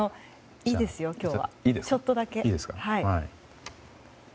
いいですよ、今日はちょっとだけ。